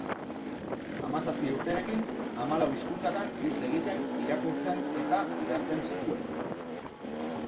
Hamazazpi urterekin hamalau hizkuntzatan hitz egiten, irakurtzen eta idazten zituen.